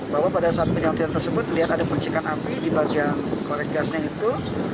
bahwa pada saat penyantrian tersebut terlihat ada percikan api di bagian korek gasnya itu